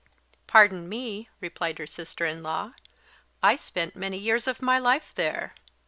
"Pardon me," replied her sister in law, "I spent many years of my life there."